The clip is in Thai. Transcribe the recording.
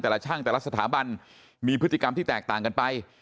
ช่างแต่ละสถาบันมีพฤติกรรมที่แตกต่างกันไป